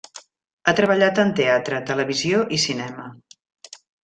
Ha treballat en teatre, televisió i cinema.